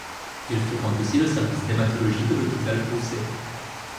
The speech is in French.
Il fréquente aussi le service d'hématologie de l'Hôpital Broussais.